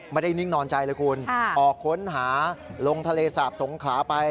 นิ่งนอนใจเลยคุณออกค้นหาลงทะเลสาบสงขลาไป